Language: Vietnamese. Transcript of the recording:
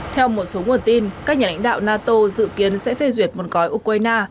theo một số nguồn tin các nhà lãnh đạo nato dự kiến sẽ phê duyệt một gói ukraine